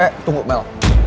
eh tunggu mel